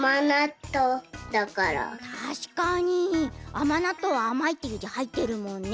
あまなっとうは「あまい」っていうじはいってるもんね。